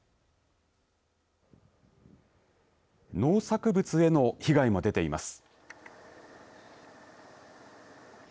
農作物への被害も出ています。